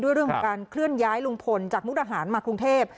เรื่องของการเคลื่อนย้ายลุงพลจากมุกดาหารมากรุงเทพ